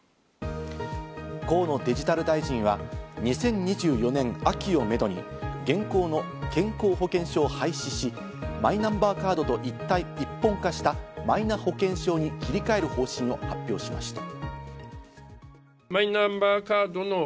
河野デジタル大臣は２０２４年秋をめどに現行の健康保険証を廃止し、マイナンバーカードと一本化したマイナ保険証に切り替える方針を発表しました。